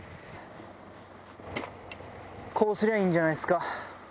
こうすりゃいいんじゃないっすか？